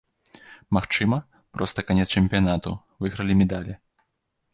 Магчыма, проста канец чэмпіянату, выйгралі медалі.